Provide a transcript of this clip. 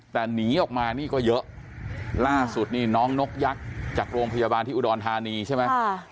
แต่หนีออกมานี่ก็เยอะล่าสุดนี่น้องนกยักษ์จากโรงพยาบาลที่อุดรธานีใช่ไหม